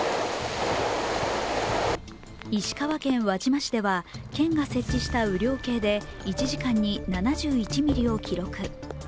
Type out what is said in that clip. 石川県輪島市では県が設置した雨量計で１時間に７１ミリを記録。